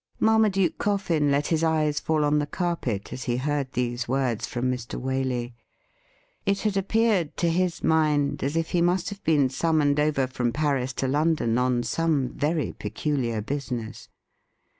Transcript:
Marmaduke Coffin let his eyes fall on the carpet as he heard these words from Mr. Waley. It had appeared to his mind as if he must have been summoned over from Paris to London on some very peculiar business.